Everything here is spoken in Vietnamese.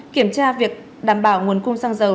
kiểm tra việc đảm bảo nguồn cung xăng dầu